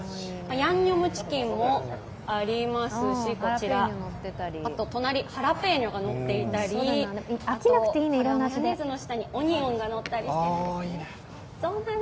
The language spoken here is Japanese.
ヤンニョムチキンもありますし、隣、ハラペーニョがのっていたりマヨネーズの下にオニオンがのったりしてるんです。